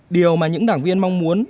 điều mà những đảng viên mong muốn